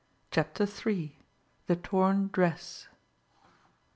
CHAPTER III THE TORN DRESS.